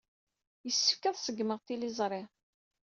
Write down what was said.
Yessefk ad d-ṣeggmeɣ tiliẓri.